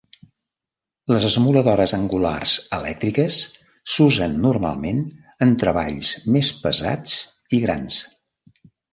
Les esmoladores angulars elèctriques s'usen normalment en treballs més pesats i grans.